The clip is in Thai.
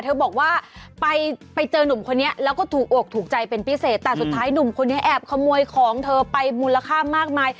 เธอบอกว่าไปไปเจอหนุ่มคนนี้แล้วก็ถูกอกถูกใจเป็นพิเศษแต่สุดท้ายหนุ่มคนนี้แอบขโมยของเธอไปมูลค่ามากมาย